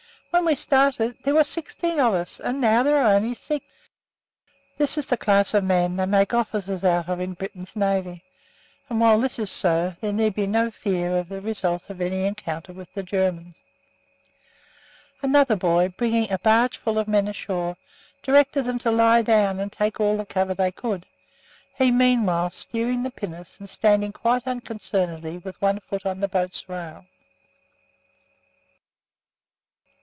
When we started, there were sixteen of us, and now there are only six!" This is the class of man they make officers out of in Britain's navy, and while this is so there need be no fear of the result of any encounter with the Germans. Another boy, bringing a barge full of men ashore, directed them to lie down and take all the cover they could, he meanwhile steering the pinnace and standing quite unconcernedly with one foot on the boat's rail.